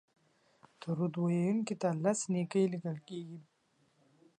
درود ویونکي ته لس نېکۍ لیکل کیږي